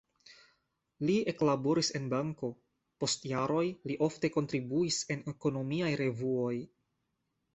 Li eklaboris en banko, post jaroj li ofte kontribuis en ekonomiaj revuoj.